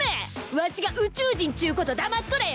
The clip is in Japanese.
わしが宇宙人っちゅうこと黙っとれよ。